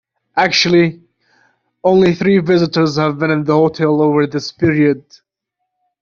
Actually only three visitors have been in the hotel over this period.